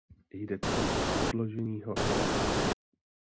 Jde tedy o odložení hlasování.